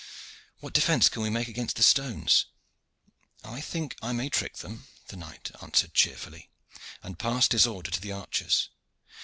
What defence can we make against the stones?" "I think I may trick them," the knight answered cheerfully, and passed his order to the archers.